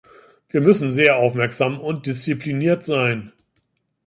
Wir müssen sehr aufmerksam und diszipliniert sein.